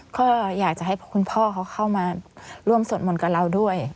ก็อยากจะให้คุณพ่อเขาเข้ามาร่วมสวดมนต์กับเราด้วย